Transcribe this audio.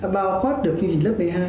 bào khoát được chương trình lớp một mươi hai